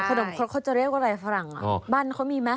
เขาจะเรียกว่าอะไรฝรั่งอ่ะบ้านเขามีไหม